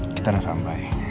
kita udah sampai